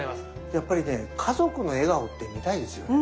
やっぱりね家族の笑顔って見たいですよね。